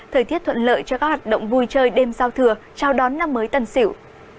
thời tiết thuận lợi cho các hoạt động vui chơi đêm giao thừa trao đón năm mới tần xỉu